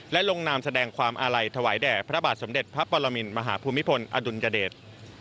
และลงนามแสดงความอาลัยถวายแด่พระบาทสมเด็จพระปรมินมหาภูมิพลอดุลยเดช